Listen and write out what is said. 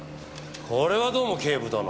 これはどうも警部殿。